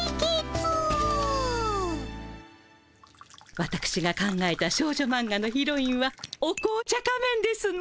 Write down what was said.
わたくしが考えた少女マンガのヒロインはお紅茶仮面ですの。